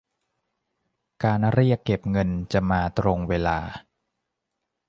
การเรียกเก็บเงินจะมาตรงเวลา